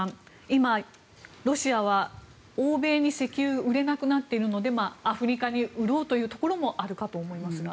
今、ロシアは欧米に石油を売れなくなっているのでアフリカに売ろうというところもあるかと思いますが。